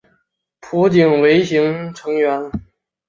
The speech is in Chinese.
浦井唯行成员。